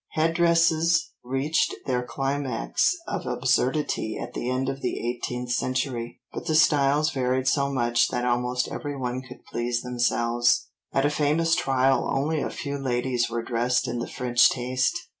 Head dresses reached their climax of absurdity at the end of the eighteenth century, but the styles varied so much that almost everyone could please themselves. At a famous trial only a few ladies were dressed in the French taste.